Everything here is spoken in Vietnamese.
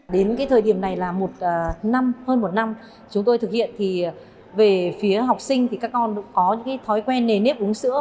đến thời điểm này là hơn một năm chúng tôi thực hiện về phía học sinh các con có thói quen nề nếp uống sữa